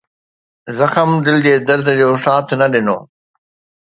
زخم دل جي درد جو ساٿ نه ڏنو